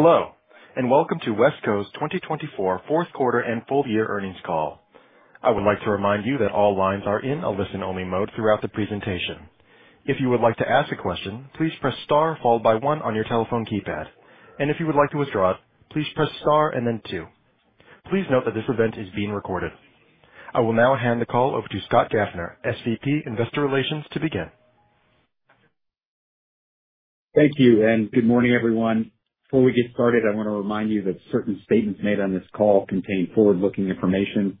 Hello, and welcome to WESCO's 2024 Fourth Quarter and Full Year Earnings Call. I would like to remind you that all lines are in a listen-only mode throughout the presentation. If you would like to ask a question, please press star followed by one on your telephone keypad, and if you would like to withdraw it, please press star and then two. Please note that this event is being recorded. I will now hand the call over to Scott Gaffner, SVP, Investor Relations, to begin. Thank you, and good morning, everyone. Before we get started, I want to remind you that certain statements made on this call contain forward-looking information.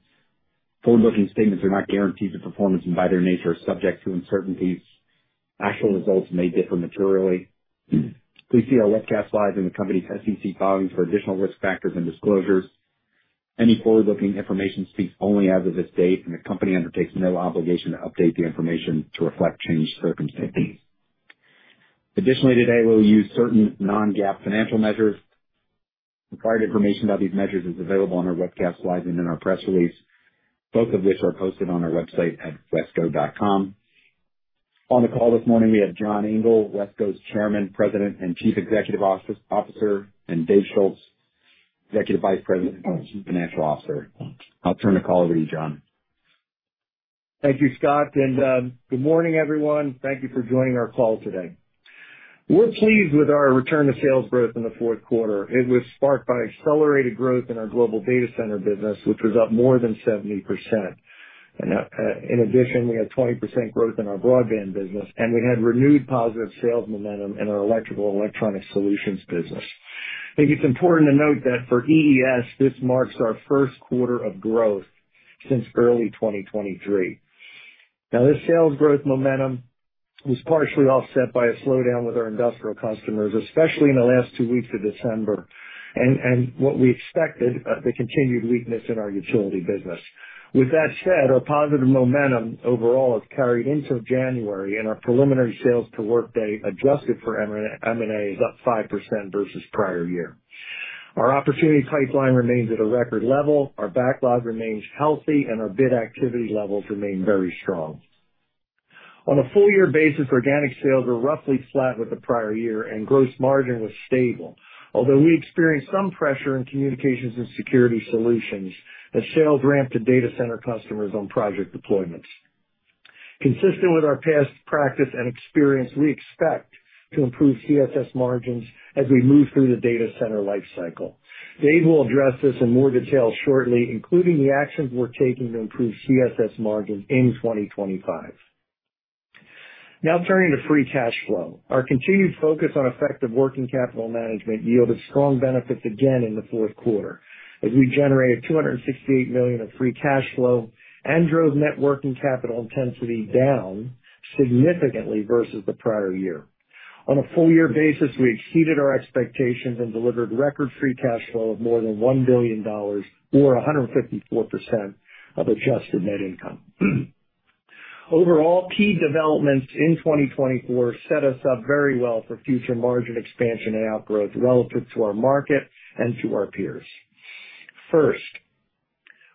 Forward-looking statements are not guarantees of performance and, by their nature, are subject to uncertainties. Actual results may differ materially. Please see our webcast slides and the company's SEC filings for additional risk factors and disclosures. Any forward-looking information speaks only as of this date, and the company undertakes no obligation to update the information to reflect changed circumstances. Additionally, today we'll use certain non-GAAP financial measures. Required information about these measures is available on our webcast slides and in our press release, both of which are posted on our website at WESCO.com. On the call this morning, we have John Engel, WESCO's Chairman, President, and Chief Executive Officer, and Dave Schulz, Executive Vice President and Chief Financial Officer. I'll turn the call over to you, John. Thank you, Scott, and good morning, everyone. Thank you for joining our call today. We're pleased with our return to sales growth in the fourth quarter. It was sparked by accelerated growth in our global data center business, which was up more than 70%. In addition, we had 20% growth in our broadband business, and we had renewed positive sales momentum in our electrical and electronic solutions business. I think it's important to note that for EES, this marks our first quarter of growth since early 2023. Now, this sales growth momentum was partially offset by a slowdown with our industrial customers, especially in the last two weeks of December, and what we expected, the continued weakness in our utility business. With that said, our positive momentum overall has carried into January, and our preliminary sales per workday adjusted for M&A is up 5% versus prior year. Our opportunity pipeline remains at a record level, our backlog remains healthy, and our bid activity levels remain very strong. On a full-year basis, organic sales were roughly flat with the prior year, and gross margin was stable. Although we experienced some pressure in Communications and Security Solutions, the sales ramped to data center customers on project deployments. Consistent with our past practice and experience, we expect to improve CSS margins as we move through the data center lifecycle. Dave will address this in more detail shortly, including the actions we're taking to improve CSS margins in 2025. Now, turning to free cash flow, our continued focus on effective working capital management yielded strong benefits again in the fourth quarter, as we generated $268 million of free cash flow and drove net working capital intensity down significantly versus the prior year. On a full-year basis, we exceeded our expectations and delivered record free cash flow of more than $1 billion, or 154% of adjusted net income. Overall, key developments in 2024 set us up very well for future margin expansion and outgrowth relative to our market and to our peers. First,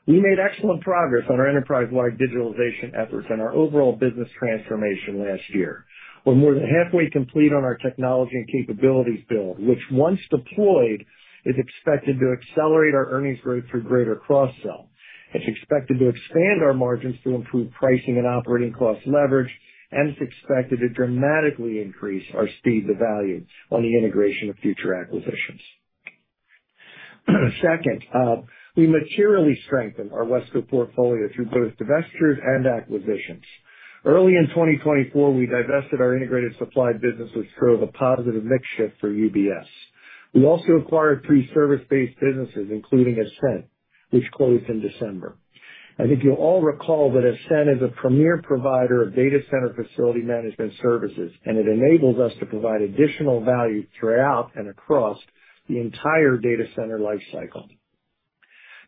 we made excellent progress on our enterprise-wide digitalization efforts and our overall business transformation last year. We're more than halfway complete on our technology and capabilities build, which, once deployed, is expected to accelerate our earnings growth through greater cross-sell. It's expected to expand our margins to improve pricing and operating cost leverage, and it's expected to dramatically increase our speed to value on the integration of future acquisitions. Second, we materially strengthened our WESCO portfolio through both divestitures and acquisitions. Early in 2024, we divested our integrated supply business, which drove a positive mix shift for UBS. We also acquired three service-based businesses, including Ascent, which closed in December. I think you'll all recall that Ascent is a premier provider of data center facility management services, and it enables us to provide additional value throughout and across the entire data center lifecycle.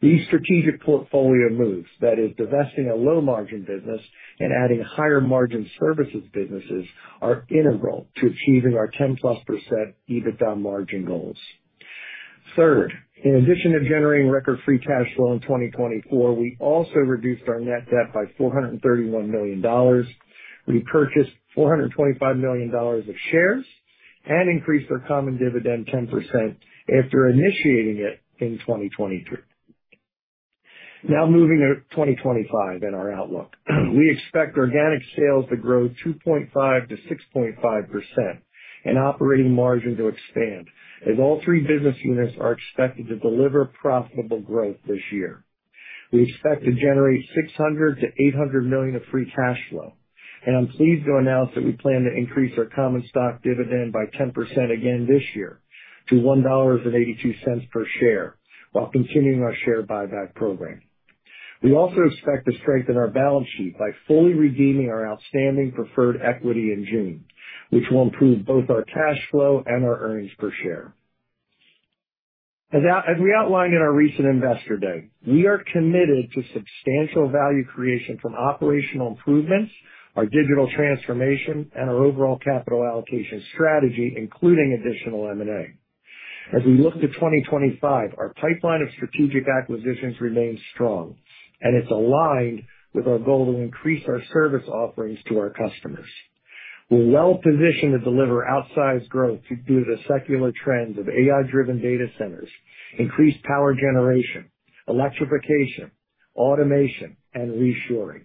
These strategic portfolio moves, that is, divesting a low-margin business and adding higher-margin services businesses, are integral to achieving our 10-plus % EBITDA margin goals. Third, in addition to generating record free cash flow in 2024, we also reduced our net debt by $431 million, repurchased $425 million of shares, and increased our common dividend 10% after initiating it in 2023. Now, moving to 2025 and our outlook, we expect organic sales to grow 2.5%-6.5% and operating margin to expand, as all three business units are expected to deliver profitable growth this year. We expect to generate $600 million-$800 million of free cash flow, and I'm pleased to announce that we plan to increase our common stock dividend by 10% again this year to $1.82 per share while continuing our share buyback program. We also expect to strengthen our balance sheet by fully redeeming our outstanding preferred equity in June, which will improve both our cash flow and our earnings per share. As we outlined in our recent investor day, we are committed to substantial value creation from operational improvements, our digital transformation, and our overall capital allocation strategy, including additional M&A. As we look to 2025, our pipeline of strategic acquisitions remains strong, and it's aligned with our goal to increase our service offerings to our customers. We're well positioned to deliver outsized growth to do the secular trends of AI-driven data centers, increased power generation, electrification, automation, and reshoring.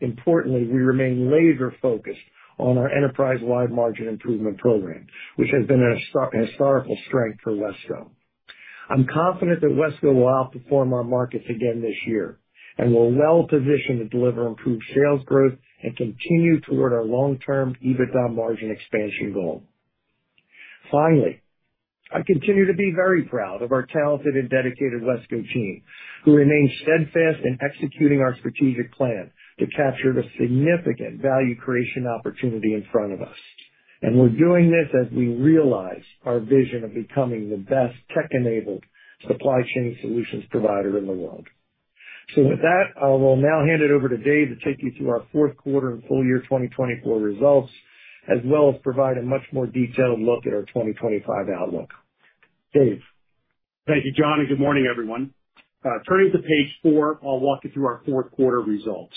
Importantly, we remain laser-focused on our enterprise-wide margin improvement program, which has been a historical strength for WESCO. I'm confident that WESCO will outperform our markets again this year and we're well positioned to deliver improved sales growth and continue toward our long-term EBITDA margin expansion goal. Finally, I continue to be very proud of our talented and dedicated WESCO team, who remain steadfast in executing our strategic plan to capture the significant value creation opportunity in front of us. We're doing this as we realize our vision of becoming the best tech-enabled supply chain solutions provider in the world. With that, I will now hand it over to Dave to take you through our fourth quarter and full year 2024 results, as well as provide a much more detailed look at our 2025 outlook. Dave. Thank you, John, and good morning, everyone. Turning to page four, I'll walk you through our fourth quarter results.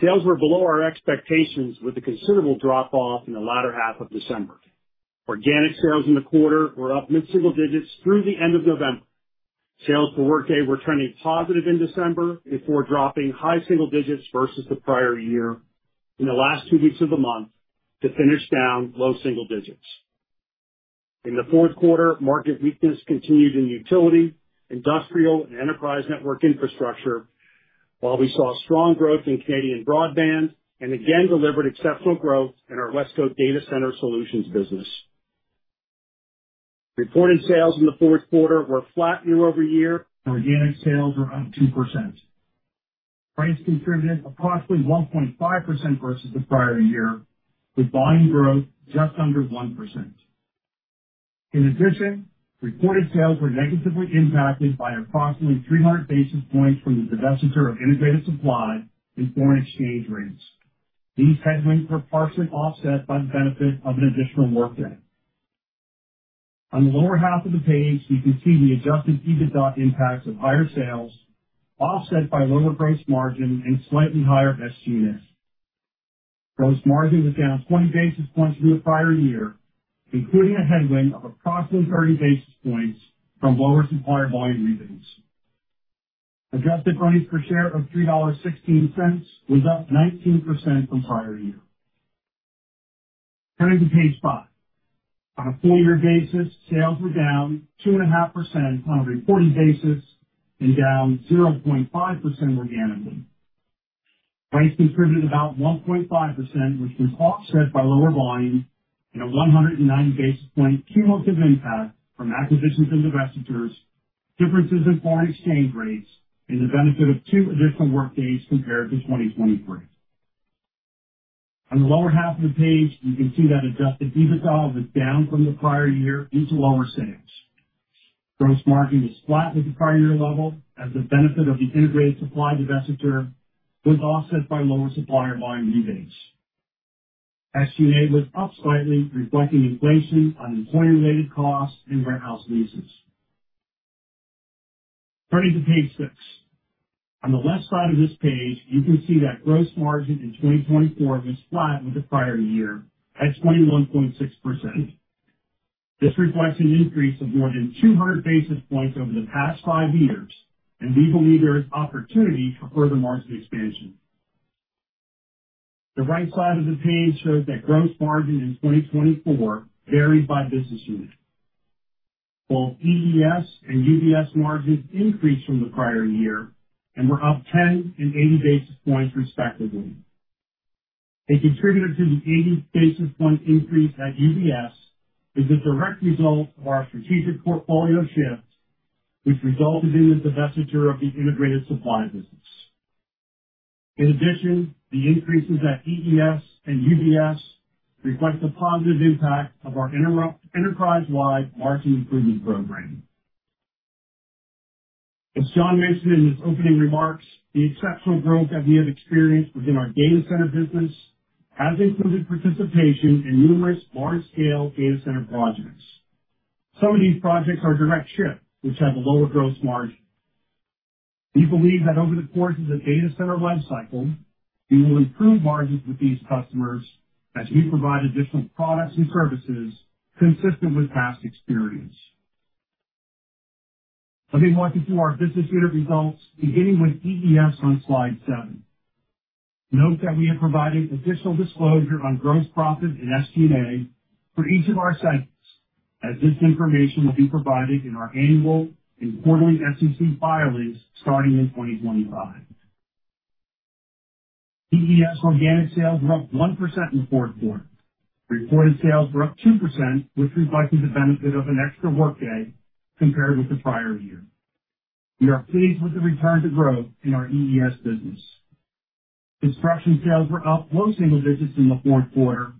Sales were below our expectations with a considerable drop-off in the latter half of December. Organic sales in the quarter were up mid-single digits through the end of November. Sales per workday were trending positive in December before dropping high single digits versus the prior year in the last two weeks of the month to finish down low single digits. In the fourth quarter, market weakness continued in utility, industrial, and enterprise network infrastructure, while we saw strong growth in Canadian broadband and again delivered exceptional growth in our WESCO data center solutions business. Reported sales in the fourth quarter were flat year over year. Organic sales were up 2%. Price contributed approximately 1.5% versus the prior year, with volume growth just under 1%. In addition, reported sales were negatively impacted by approximately 300 basis points from the divestiture of integrated supply in foreign exchange rates. These headwinds were partially offset by the benefit of an additional workday. On the lower half of the page, you can see the adjusted EBITDA impacts of higher sales, offset by lower gross margin and slightly higher SG&A. Gross margin was down 20 basis points from the prior year, including a headwind of approximately 30 basis points from lower supplier volume rebates. Adjusted earnings per share of $3.16 was up 19% from prior year. Turning to page five, on a full year basis, sales were down 2.5% on a reporting basis and down 0.5% organically. Price contributed about 1.5%, which was offset by lower volume and a 190 basis points cumulative impact from acquisitions and divestitures, differences in foreign exchange rates, and the benefit of two additional workdays compared to 2023. On the lower half of the page, you can see that Adjusted EBITDA was down from the prior year due to lower sales. Gross margin was flat with the prior year level, as the benefit of the integrated supply divestiture was offset by lower supply volume rebates. SG&A was up slightly, reflecting inflation, incentive-related costs, and warehouse leases. Turning to page six, on the left side of this page, you can see that gross margin in 2024 was flat with the prior year at 21.6%. This reflects an increase of more than 200 basis points over the past five years, and we believe there is opportunity for further margin expansion. The right side of the page shows that gross margin in 2024 varied by business unit, while EES and UBS margins increased from the prior year and were up 10 and 80 basis points respectively. A contributor to the 80 basis point increase at UBS is a direct result of our strategic portfolio shift, which resulted in the divestiture of the integrated supply business. In addition, the increases at EES and UBS reflect the positive impact of our enterprise-wide margin improvement program. As John mentioned in his opening remarks, the exceptional growth that we have experienced within our data center business has included participation in numerous large-scale data center projects. Some of these projects are direct ship, which have a lower gross margin. We believe that over the course of the data center lifecycle, we will improve margins with these customers as we provide additional products and services consistent with past experience. Let me walk you through our business unit results, beginning with EES on slide seven. Note that we have provided additional disclosure on gross profit and SG&A for each of our segments, as this information will be provided in our annual and quarterly SEC filings starting in 2025. EES organic sales were up 1% in the fourth quarter. Reported sales were up 2%, which reflected the benefit of an extra workday compared with the prior year. We are pleased with the return to growth in our EES business. Construction sales were up low single digits in the fourth quarter,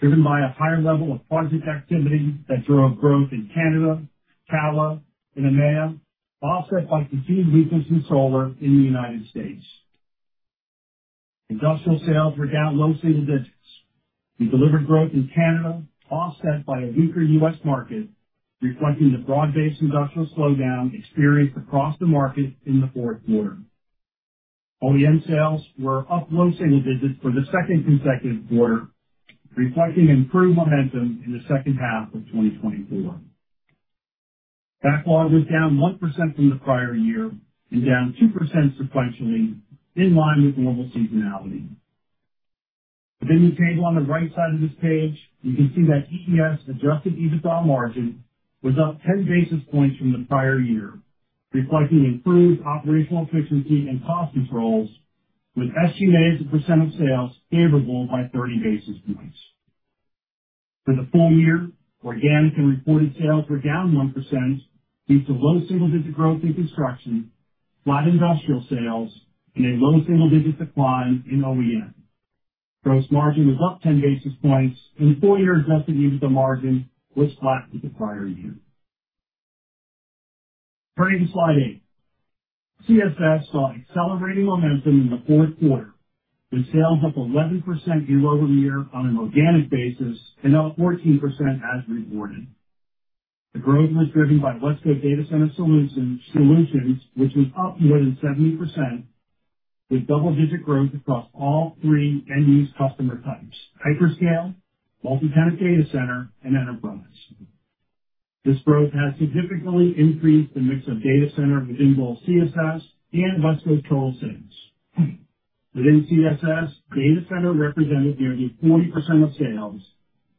driven by a higher level of project activity that drove growth in Canada, CALA, and EMEA, offset by continued weakness in solar in the United States. Industrial sales were down low single digits. We delivered growth in Canada, offset by a weaker U.S. market, reflecting the broad-based industrial slowdown experienced across the market in the fourth quarter. OEM sales were up low single digits for the second consecutive quarter, reflecting improved momentum in the second half of 2024. Backlog was down 1% from the prior year and down 2% sequentially, in line with normal seasonality. Within the table on the right side of this page, you can see that EES adjusted EBITDA margin was up 10 basis points from the prior year, reflecting improved operational efficiency and cost controls, with SG&A in percent of sales favorable by 30 basis points. For the full year, organic and reported sales were down 1% due to low single-digit growth in construction, flat industrial sales, and a low single-digit decline in OEM. Gross margin was up 10 basis points, and the full-year adjusted EBITDA margin was flat with the prior year. Turning to slide eight, CSS saw accelerating momentum in the fourth quarter, with sales up 11% year over year on an organic basis and up 14% as reported. The growth was driven by WESCO data center solutions, which was up more than 70%, with double-digit growth across all three end-use customer types: hyperscale, multi-tenant data center, and enterprise. This growth has significantly increased the mix of data center within both CSS and WESCO total sales. Within CSS, data center represented nearly 40% of sales,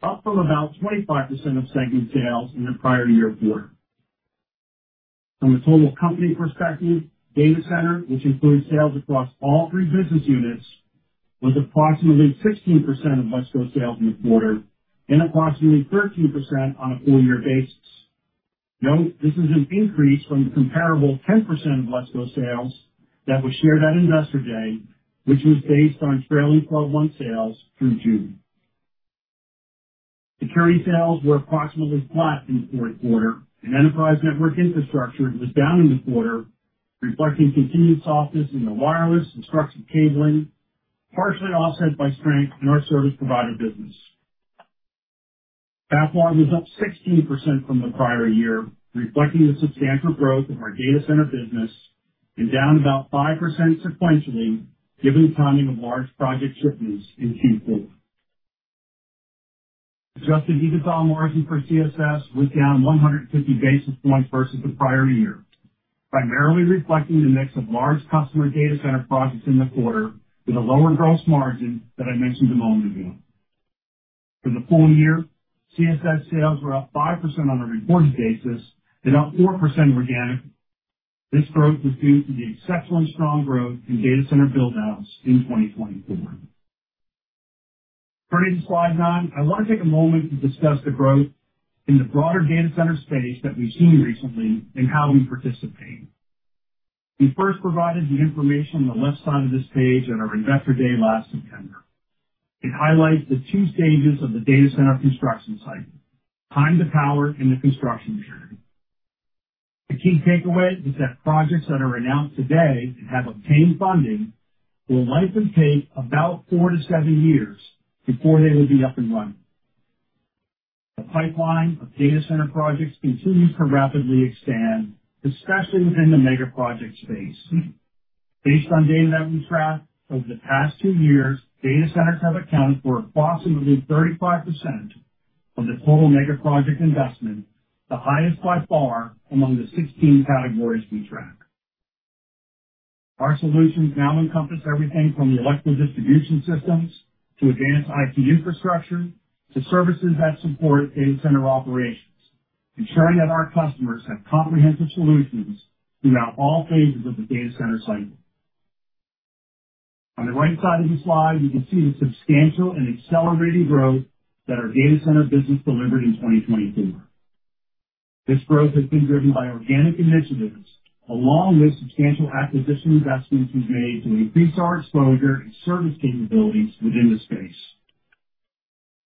up from about 25% of segment sales in the prior year quarter. From a total company perspective, data center, which includes sales across all three business units, was approximately 16% of WESCO sales in the quarter and approximately 13% on a full year basis. Note this is an increase from the comparable 10% of WESCO sales that was shared at investor day, which was based on trailing 12-month sales through June. Security sales were approximately flat in the fourth quarter, and enterprise network infrastructure was down in the quarter, reflecting continued softness in the wireless and structured cabling, partially offset by strength in our service provider business. Backlog was up 16% from the prior year, reflecting the substantial growth of our data center business and down about 5% sequentially, given the timing of large project shipments in Q4. Adjusted EBITDA margin for CSS was down 150 basis points versus the prior year, primarily reflecting the mix of large customer data center projects in the quarter with a lower gross margin that I mentioned a moment ago. For the full year, CSS sales were up 5% on a reporting basis and up 4% organic. This growth was due to the exceptionally strong growth in data center buildouts in 2024. Turning to slide nine, I want to take a moment to discuss the growth in the broader data center space that we've seen recently and how we participate. We first provided the information on the left side of this page at our investor day last September. It highlights the two stages of the data center construction cycle: time to power and the construction period. The key takeaway is that projects that are announced today and have obtained funding will likely take about four to seven years before they will be up and running. The pipeline of data center projects continues to rapidly expand, especially within the mega project space. Based on data that we tracked over the past two years, data centers have accounted for approximately 35% of the total mega project investment, the highest by far among the 16 categories we track. Our solutions now encompass everything from electrical distribution systems to advanced IT infrastructure to services that support data center operations, ensuring that our customers have comprehensive solutions throughout all phases of the data center cycle. On the right side of the slide, you can see the substantial and accelerating growth that our data center business delivered in 2024. This growth has been driven by organic initiatives, along with substantial acquisition investments we've made to increase our exposure and service capabilities within the space.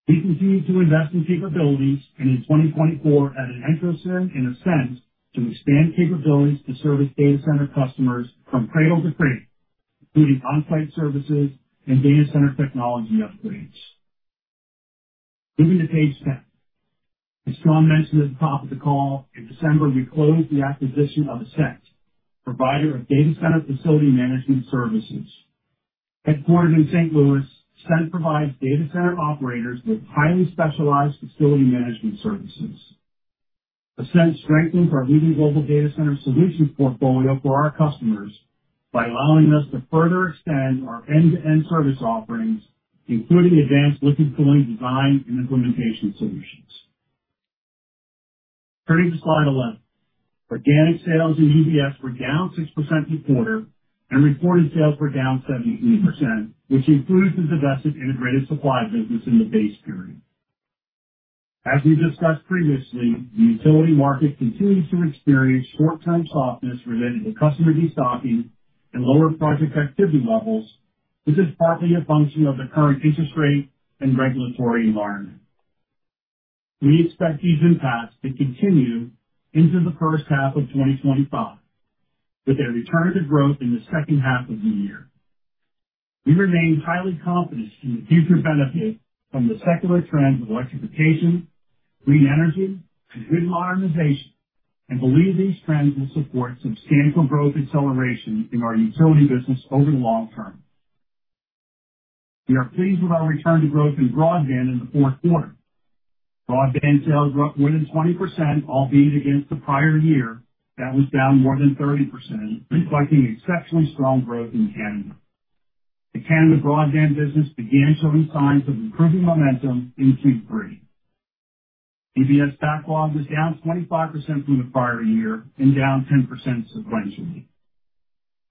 We continue to invest in capabilities and in 2024 added entroCIM and Ascent to expand capabilities to service data center customers from cradle to cradle, including on-site services and data center technology upgrades. Moving to page 10, as John mentioned at the top of the call, in December, we closed the acquisition of Ascent, provider of data center facility management services. Headquartered in St. Louis, Ascent provides data center operators with highly specialized facility management services. Ascent strengthens our leading global data center solutions portfolio for our customers by allowing us to further extend our end-to-end service offerings, including advanced liquid cooling design and implementation solutions. Turning to slide 11, organic sales in UBS were down 6% year-over-year, and reported sales were down 73%, which includes the divested integrated supply business in the base period. As we discussed previously, the utility market continues to experience short-term softness related to customer destocking and lower project activity levels, which is partly a function of the current interest rate and regulatory environment. We expect these impacts to continue into the first half of 2025, with a return to growth in the second half of the year. We remain highly confident in the future benefit from the secular trends of electrification, clean energy, and grid modernization, and believe these trends will support substantial growth acceleration in our utility business over the long term. We are pleased with our return to growth in broadband in the fourth quarter. Broadband sales were up more than 20%, albeit against the prior year that was down more than 30%, reflecting exceptionally strong growth in Canada. The Canada broadband business began showing signs of improving momentum in Q3. UBS backlog was down 25% from the prior year and down 10% sequentially.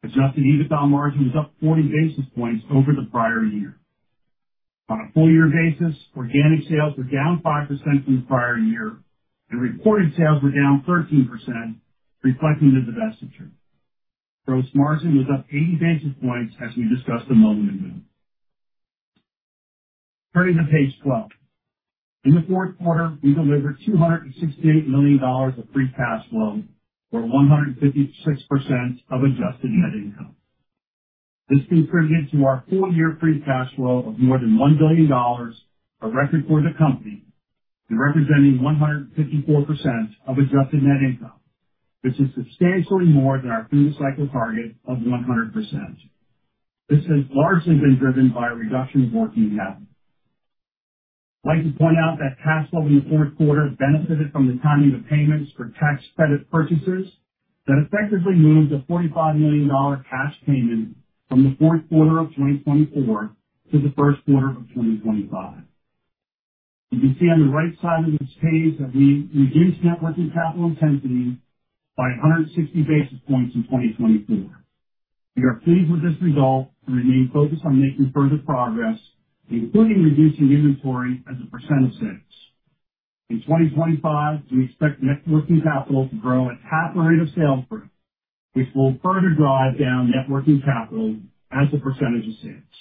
Adjusted EBITDA margin was up 40 basis points over the prior year. On a full year basis, organic sales were down 5% from the prior year, and reported sales were down 13%, reflecting the divestiture. Gross margin was up 80 basis points, as we discussed a moment ago. Turning to page 12, in the fourth quarter, we delivered $268 million of free cash flow, or 156% of adjusted net income. This contributed to our full year free cash flow of more than $1 billion, a record for the company, and representing 154% of adjusted net income, which is substantially more than our through-the-cycle target of 100%. This has largely been driven by a reduction of working capital. I'd like to point out that cash flow in the fourth quarter benefited from the timing of payments for tax credit purchases that effectively moved the $45 million cash payment from the fourth quarter of 2024 to the first quarter of 2025. You can see on the right side of this page that we reduced net working capital intensity by 160 basis points in 2024. We are pleased with this result and remain focused on making further progress, including reducing inventory as a percent of sales. In 2025, we expect net working capital to grow at half the rate of sales growth, which will further drive down net working capital as a percentage of sales.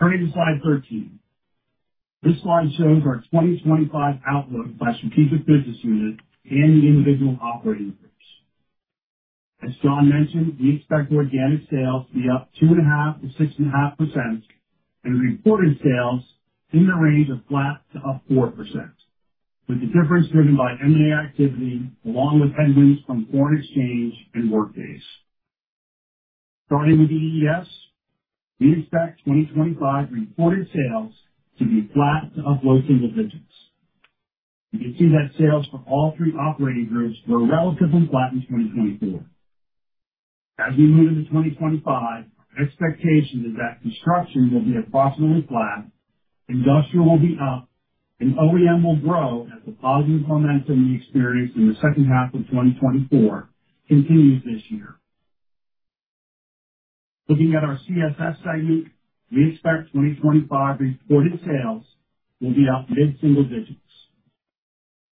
Turning to slide 13, this slide shows our 2025 outlook by strategic business unit and the individual operating groups. As John mentioned, we expect organic sales to be up 2.5 to 6.5%, and reported sales in the range of flat to up 4%, with the difference driven by M&A activity along with headwinds from foreign exchange and workdays. Starting with EES, we expect 2025 reported sales to be flat to up low single digits. You can see that sales for all three operating groups were relatively flat in 2024. As we move into 2025, our expectation is that construction will be approximately flat, industrial will be up, and OEM will grow as the positive momentum we experienced in the second half of 2024 continues this year. Looking at our CSS segment, we expect 2025 reported sales will be up mid-single digits.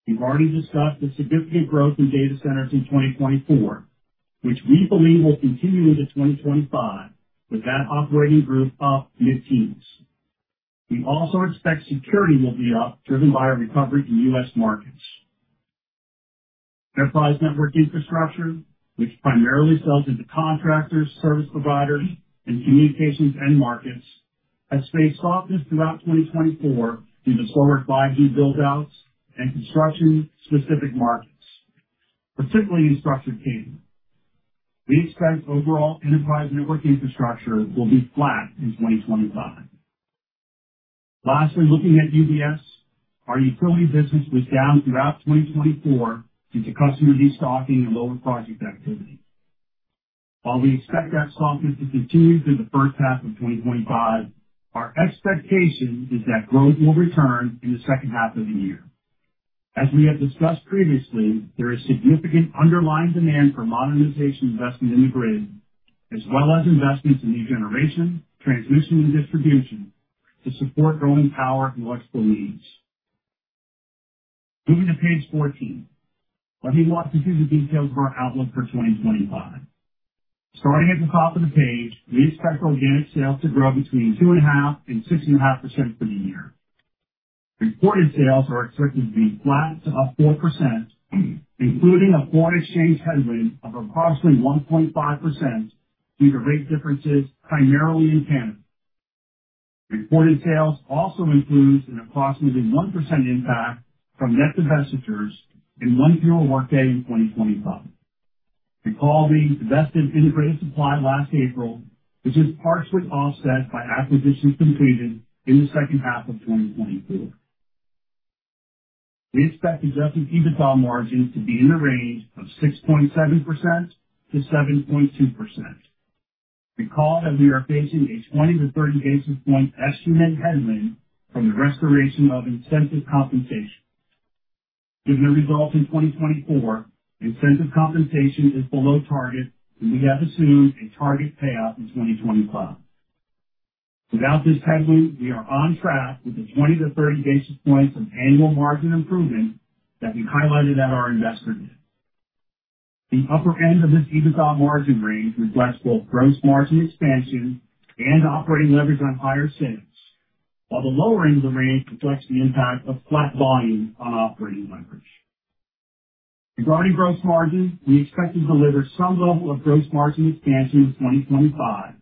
We've already discussed the significant growth in data centers in 2024, which we believe will continue into 2025 with that operating group up mid-teens. We also expect security will be up, driven by a recovery in U.S. markets. Enterprise network infrastructure, which primarily sells into contractors, service providers, and communications markets, has faced softness throughout 2024 due to slower 5G buildouts and construction-specific markets, particularly in structured cabling. We expect overall enterprise network infrastructure will be flat in 2025. Lastly, looking at UBS, our utility business was down throughout 2024 due to customer destocking and lower project activity. While we expect that softness to continue through the first half of 2025, our expectation is that growth will return in the second half of the year. As we have discussed previously, there is significant underlying demand for modernization investment in the grid, as well as investments in regeneration, transmission, and distribution to support growing power and electrical needs. Moving to page 14, let me walk you through the details of our outlook for 2025. Starting at the top of the page, we expect organic sales to grow between 2.5 and 6.5% for the year. Reported sales are expected to be flat to up 4%, including a foreign exchange headwind of approximately 1.5% due to rate differences primarily in Canada. Reported sales also includes an approximately 1% impact from net divestitures and one fewer workday in 2025. Recall the divested integrated supply last April, which is partially offset by acquisitions completed in the second half of 2024. We expect Adjusted EBITDA margin to be in the range of 6.7%-7.2%. Recall that we are facing a 20-30 basis points estimate headwind from the restoration of incentive compensation. Given the results in 2024, incentive compensation is below target, and we have assumed a target payout in 2025. Without this headwind, we are on track with the 20-30 basis points of annual margin improvement that we highlighted at our investor meeting. The upper end of this EBITDA margin range reflects both gross margin expansion and operating leverage on higher sales, while the lower end of the range reflects the impact of flat volume on operating leverage. Regarding gross margin, we expect to deliver some level of gross margin expansion in 2025,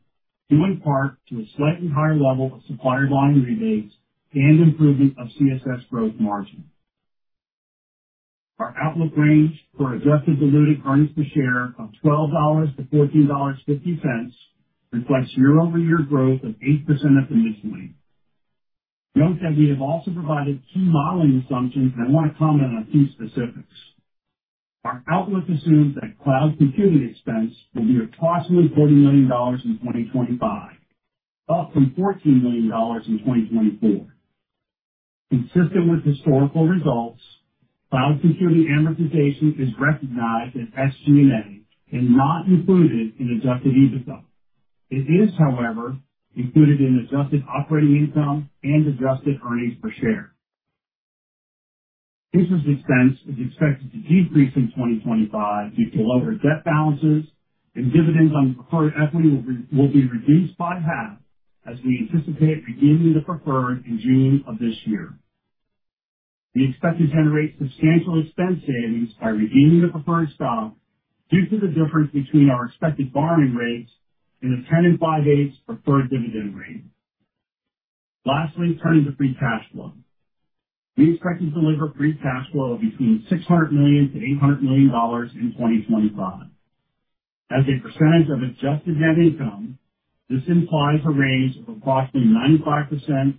due in part to a slightly higher level of supplier line rebates and improvement of CSS growth margin. Our outlook range for adjusted diluted earnings per share of $12-$14.50 reflects year-over-year growth of 8% to the mid-20s. Note that we have also provided key modeling assumptions, and I want to comment on a few specifics. Our outlook assumes that cloud computing expense will be approximately $40 million in 2025, up from $14 million in 2024. Consistent with historical results, cloud computing amortization is recognized as SG&A and not included in adjusted EBITDA. It is, however, included in adjusted operating income and adjusted earnings per share. Interest expense is expected to decrease in 2025 due to lower debt balances, and dividends on preferred equity will be reduced by half as we anticipate redeeming the preferred in June of this year. We expect to generate substantial expense savings by redeeming the preferred stock due to the difference between our expected borrowing rates and the 10 and 5/8 preferred dividend rate. Lastly, turning to free cash flow, we expect to deliver free cash flow of between $600-$800 million in 2025. As a percentage of adjusted net income, this implies a range of approximately 95%-105%.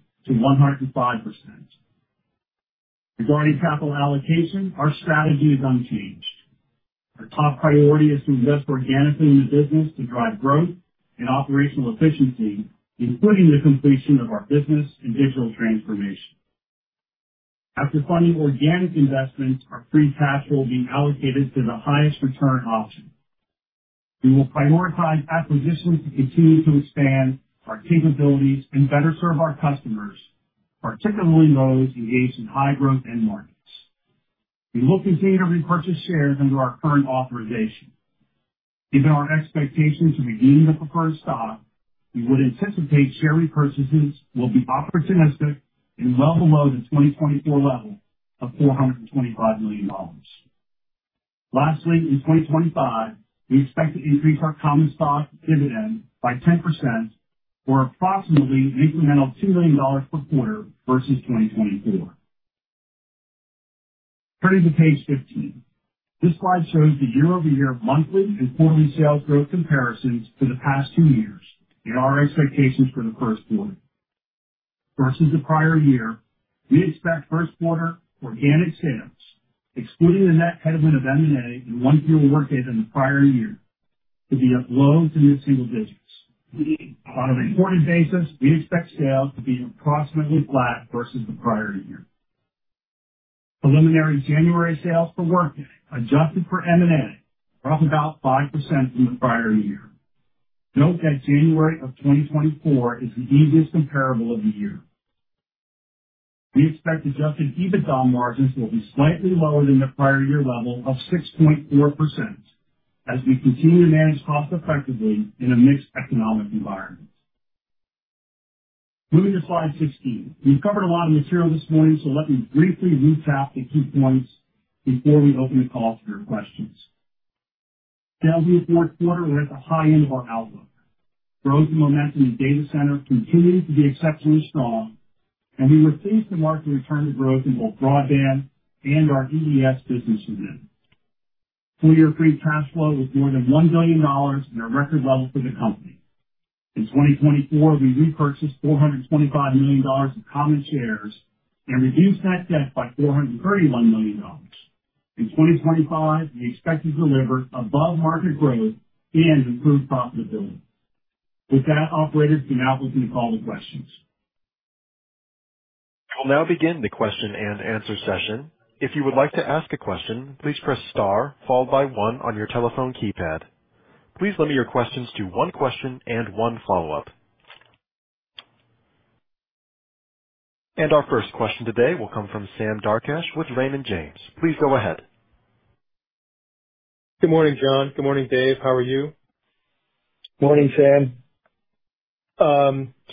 Regarding capital allocation, our strategy is unchanged. Our top priority is to invest organically in the business to drive growth and operational efficiency, including the completion of our business and digital transformation. After funding organic investments, our free cash flow will be allocated to the highest return option. We will prioritize acquisitions to continue to expand our capabilities and better serve our customers, particularly those engaged in high growth end markets. We will continue to repurchase shares under our current authorization. Given our expectation to redeem the preferred stock, we would anticipate share repurchases will be opportunistic and well below the 2024 level of $425 million. Lastly, in 2025, we expect to increase our common stock dividend by 10%, or approximately an incremental $2 million per quarter versus 2024. Turning to page 15, this slide shows the year-over-year monthly and quarterly sales growth comparisons for the past two years and our expectations for the first quarter. Versus the prior year, we expect first quarter organic sales, excluding the net headwind of M&A and one fewer workday than the prior year, to be at low to mid-single digits. On a reported basis, we expect sales to be approximately flat versus the prior year. Preliminary January sales for workday adjusted for M&A are up about 5% from the prior year. Note that January of 2024 is the easiest comparable of the year. We expect adjusted EBITDA margins will be slightly lower than the prior year level of 6.4% as we continue to manage costs effectively in a mixed economic environment. Moving to slide 16, we've covered a lot of material this morning, so let me briefly recap the key points before we open the call for your questions. Sales in the fourth quarter were at the high end of our outlook. Growth and momentum in data centers continue to be exceptionally strong, and we were pleased to mark the return to growth in both broadband and our EES business unit. Full year free cash flow was more than $1 billion at a record level for the company. In 2024, we repurchased $425 million of common shares and reduced that debt by $431 million. In 2025, we expect to deliver above-market growth and improved profitability. With that, operators can now open the call to questions. I will now begin the question and answer session. If you would like to ask a question, please press star followed by one on your telephone keypad. Please limit your questions to one question and one follow-up. And our first question today will come from Sam Darkatsh with Raymond James. Please go ahead. Good morning, John. Good morning, Dave. How are you? Morning, Sam.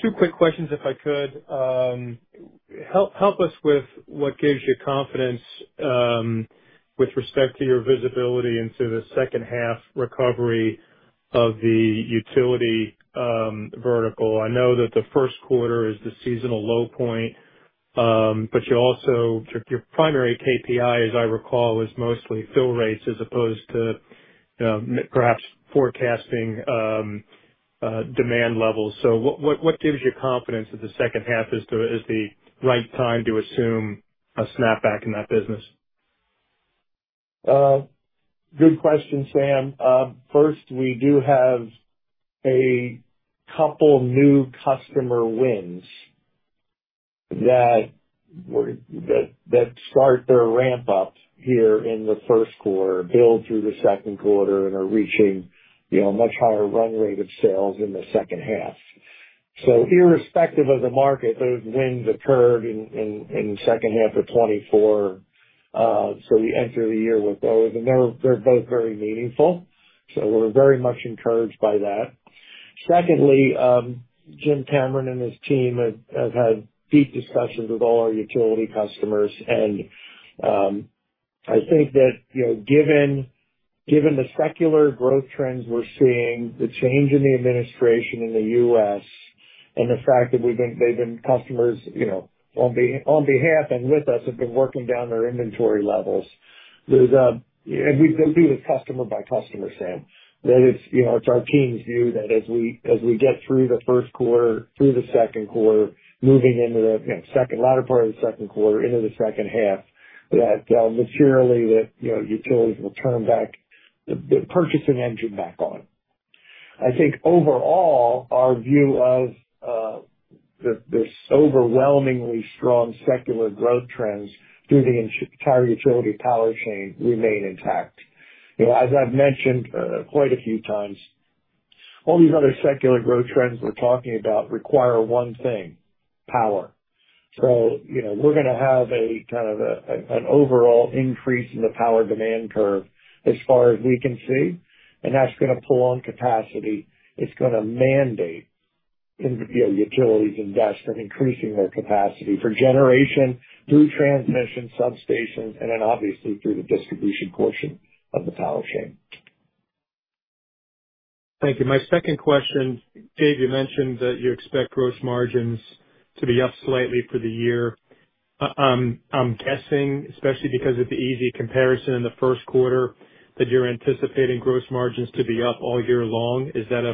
Two quick questions, if I could. Help us with what gives you confidence with respect to your visibility into the second half recovery of the utility vertical. I know that the first quarter is the seasonal low point, but your primary KPI, as I recall, was mostly fill rates as opposed to perhaps forecasting demand levels. So what gives you confidence that the second half is the right time to assume a snapback in that business? Good question, Sam. First, we do have a couple new customer wins that start their ramp-up here in the first quarter, build through the second quarter, and are reaching a much higher run rate of sales in the second half. So irrespective of the market, those wins occurred in the second half of 2024, so we enter the year with those, and they're both very meaningful, so we're very much encouraged by that. Secondly, Jim Cameron and his team have had deep discussions with all our utility customers, and I think that given the secular growth trends we're seeing, the change in the administration in the U.S., and the fact that they've been customers on behalf and with us have been working down their inventory levels, and we've been doing this customer by customer, Sam, that it's our team's view that as we get through the first quarter, through the second quarter, moving into the second latter part of the second quarter, into the second half, that materially that utilities will turn back the purchasing engine back on. I think overall, our view of this overwhelmingly strong secular growth trends through the entire utility power chain remain intact. As I've mentioned quite a few times, all these other secular growth trends we're talking about require one thing: power. So we're going to have a kind of an overall increase in the power demand curve as far as we can see, and that's going to pull on capacity. It's going to mandate utilities and IOUs on increasing their capacity for generation through transmission, substations, and then obviously through the distribution portion of the power chain. Thank you. My second question, Dave, you mentioned that you expect gross margins to be up slightly for the year. I'm guessing, especially because of the easy comparison in the first quarter, that you're anticipating gross margins to be up all year long. Is that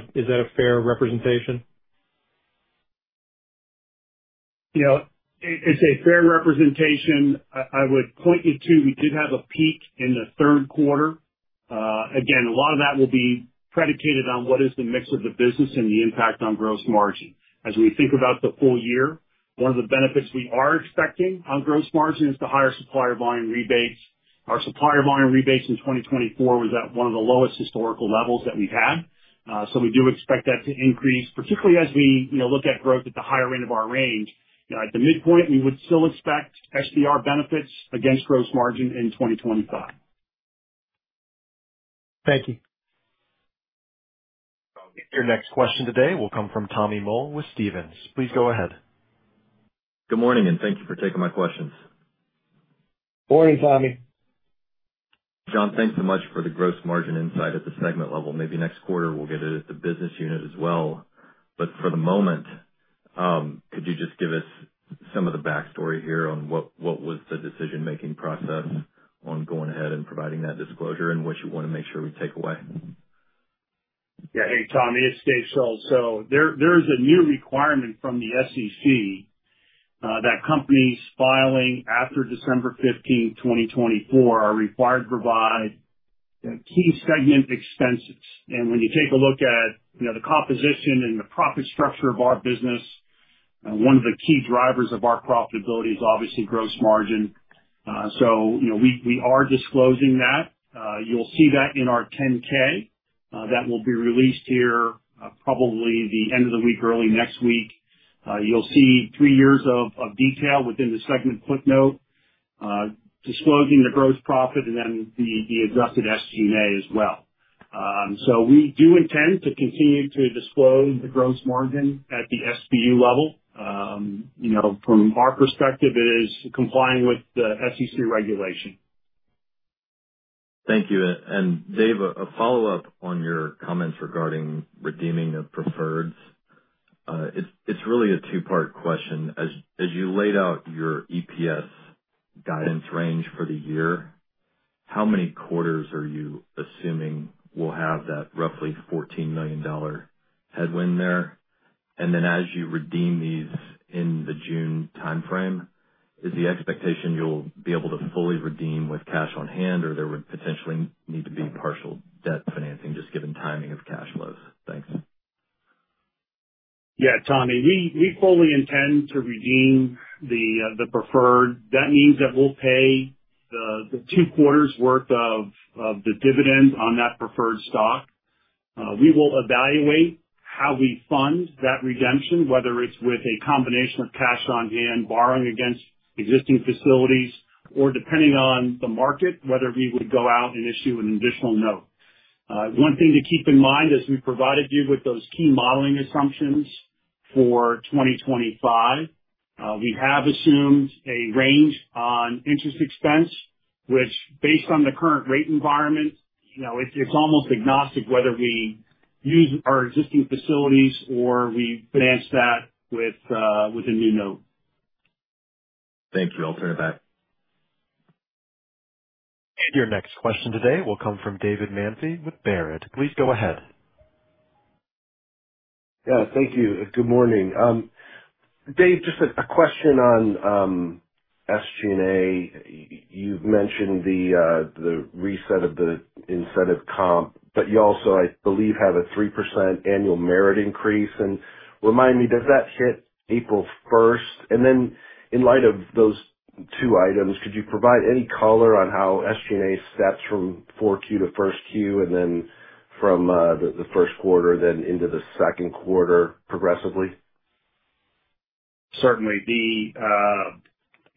a fair representation? It's a fair representation. I would point you to we did have a peak in the third quarter. Again, a lot of that will be predicated on what is the mix of the business and the impact on gross margin. As we think about the full year, one of the benefits we are expecting on gross margin is the higher supplier volume rebates. Our supplier volume rebates in 2024 was at one of the lowest historical levels that we've had, so we do expect that to increase, particularly as we look at growth at the higher end of our range. At the midpoint, we would still expect SVR benefits against gross margin in 2025. Thank you. Your next question today will come from Tommy Moll with Stephens. Please go ahead. Good morning, and thank you for taking my questions. Morning, Tommy. John, thanks so much for the gross margin insight at the segment level. Maybe next quarter we'll get it at the business unit as well. But for the moment, could you just give us some of the backstory here on what was the decision-making process on going ahead and providing that disclosure and what you want to make sure we take away? Yeah. Hey, Tommy, it's Dave Schulz. So there is a new requirement from the SEC that companies filing after December 15, 2024, are required to provide key segment expenses. And when you take a look at the composition and the profit structure of our business, one of the key drivers of our profitability is obviously gross margin. So we are disclosing that. You'll see that in our 10-K that will be released here probably the end of the week, early next week. You'll see three years of detail within the segment footnote, disclosing the gross profit and then the adjusted SG&A as well. We do intend to continue to disclose the gross margin at the SBU level. From our perspective, it is complying with the SEC regulation. Thank you. And Dave, a follow-up on your comments regarding redeeming the preferreds. It's really a two-part question. As you laid out your EPS guidance range for the year, how many quarters are you assuming will have that roughly $14 million headwind there? And then as you redeem these in the June timeframe, is the expectation you'll be able to fully redeem with cash on hand, or there would potentially need to be partial debt financing just given timing of cash flows? Thanks. Yeah, Tommy. We fully intend to redeem the preferred. That means that we'll pay the two quarters' worth of the dividend on that preferred stock. We will evaluate how we fund that redemption, whether it's with a combination of cash on hand, borrowing against existing facilities, or depending on the market, whether we would go out and issue an additional note. One thing to keep in mind as we provided you with those key modeling assumptions for 2025, we have assumed a range on interest expense, which, based on the current rate environment, it's almost agnostic whether we use our existing facilities or we finance that with a new note. Thank you. I'll turn it back. And your next question today will come from David Manthey with Baird. Please go ahead. Yeah. Thank you. Good morning. Dave, just a question on SG&A. You've mentioned the reset of the incentive comp, but you also, I believe, have a 3% annual merit increase. And remind me, does that hit April 1st? In light of those two items, could you provide any color on how SG&A steps from 4Q to 1st Q and then from the first quarter then into the second quarter progressively? Certainly.